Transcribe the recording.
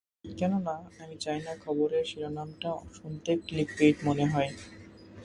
কেননা, আমি চাই না খবরের শিরোনামটা শুনতে ক্লিকবেইট মনে হয়!